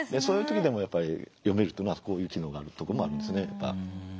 そういう時でもやっぱり読めるというのはこういう機能があるとこもあるんですね。